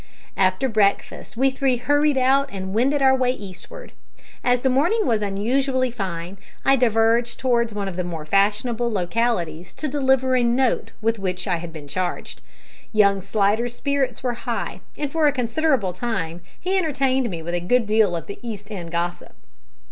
After breakfast we three hurried out and wended our way eastward. As the morning was unusually fine I diverged towards one of the more fashionable localities to deliver a note with which I had been charged. Young Slidder's spirits were high, and for a considerable time he entertained me with a good deal of the East end gossip.